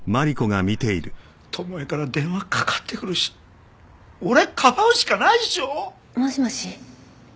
巴から電話かかってくるし俺かばうしかないっしょ？もしもし？